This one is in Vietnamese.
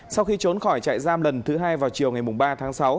sau khi trốn khỏi trại giam lần thứ hai vào chiều ngày ba tháng sáu